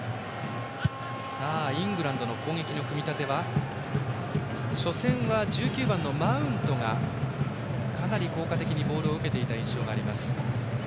イングランドの攻撃の組み立ては初戦は１９番、マウントがかなり効果的にボールを受けていた印象があります。